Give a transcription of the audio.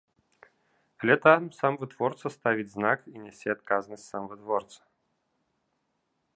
Але там сам вытворца ставіць знак і нясе адказнасць сам вытворца.